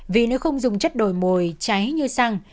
vì nếu không dùng chất đồi mồi cháy như xăng